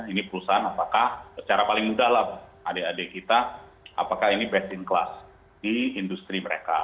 ini perusahaan apakah secara paling mudah lah adik adik kita apakah ini best in class di industri mereka